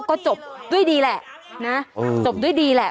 ก็จบด้วยดีแหละนะจบด้วยดีแหละ